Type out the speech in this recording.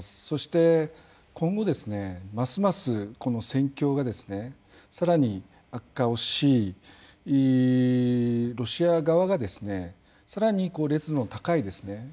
そして今後ますますこの戦況がさらに悪化をしロシア側がさらに烈度の高いですね